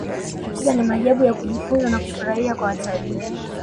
hakika ni maajabu ya kujifunza na kufurahia kwa watalii